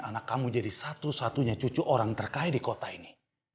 anak kamu jadi satu satunya cucu orang terkaya di kota ini